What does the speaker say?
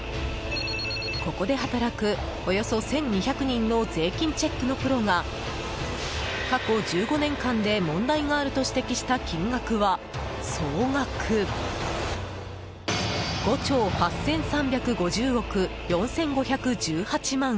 ここで働く、およそ１２００人の税金チェックのプロが過去１５年間で問題があると指摘した金額は総額５兆８３５０億４５１８万円。